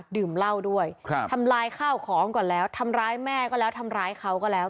ดื่มเหล้าด้วยทำลายข้าวของก่อนแล้วทำร้ายแม่ก็แล้วทำร้ายเขาก็แล้ว